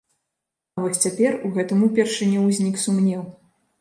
А вось цяпер у гэтым упершыню ўзнік сумнеў.